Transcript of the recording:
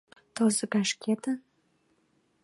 Тылзе гай шкетын?